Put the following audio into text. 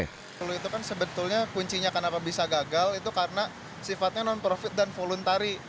kalau itu kan sebetulnya kuncinya kenapa bisa gagal itu karena sifatnya non profit dan voluntary